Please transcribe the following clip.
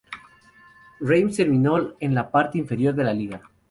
Reims terminó en la parte inferior de la liga.